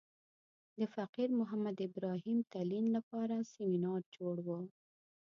د فقیر محمد ابراهیم تلین لپاره سمینار جوړ و.